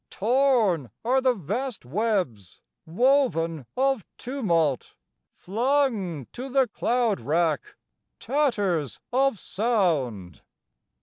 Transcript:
Torn are the vast webs Woven of tumult, Flung to the cloud rack, Tatters of sound!